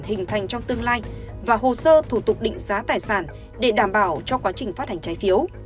hình thành trong tương lai và hồ sơ thủ tục định giá tài sản để đảm bảo cho quá trình phát hành trái phiếu